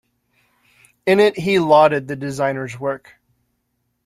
In it he lauded the designers' work.